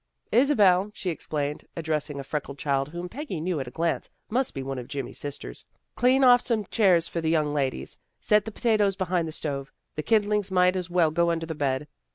" Isabel," she exclaimed, addressing a freckled child whom Peggy knew at a glance must be one of Jimmy's sisters, " clean off some chairs for the young ladies. Set the po tatoes behind the stove. The kindlings might as well go under the bed.